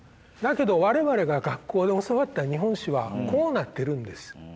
だけど我々が学校で教わった日本史はこうなってるんです。